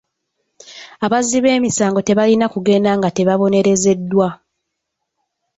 Abazzi b'emisango tebalina kugenda nga tebabonerezeddwa.